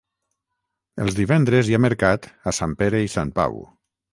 Els divendres hi ha mercat a Sant Pere i Sant Pau.